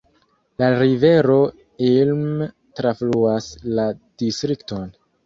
La rivero Ilm trafluas la distrikton.